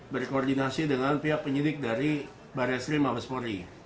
berkoordinasi dengan pihak penyelidik dari barisri mabespori